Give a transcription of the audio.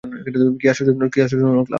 কি আশ্চর্যজনক লাফ!